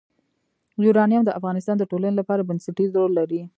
یورانیم د افغانستان د ټولنې لپاره بنسټيز رول لري.